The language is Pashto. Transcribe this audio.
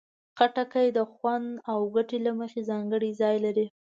خټکی د خوند او ګټې له مخې ځانګړی ځای لري.